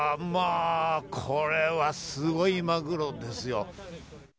これはすごいマグロですよ。